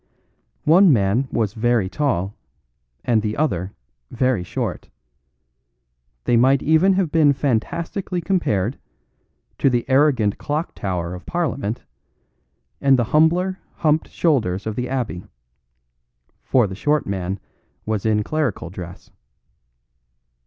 One man was very tall and the other very short; they might even have been fantastically compared to the arrogant clock tower of Parliament and the humbler humped shoulders of the Abbey, for the short man was in clerical dress.